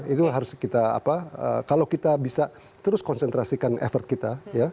itu harus kita kalau kita bisa terus konsentrasikan effort kita